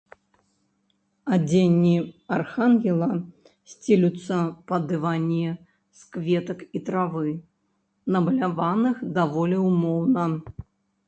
Адзенні архангела сцелюцца па дыване з кветак і травы, намаляваных даволі ўмоўна.